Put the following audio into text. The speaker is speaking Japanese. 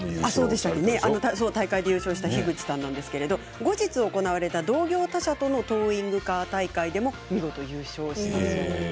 大会で優勝した樋口さんなんですけど後日行われた同業他社とのトーイングカー大会でも見事優勝したそうです。